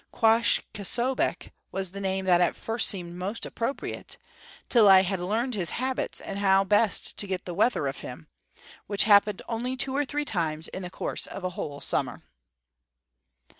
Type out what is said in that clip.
Quoskh K'sobeqh was the name that at first seemed most appropriate, till I had learned his habits and how best to get the weather of him which happened only two or three times in the course of a whole summer.